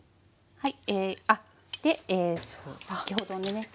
はい。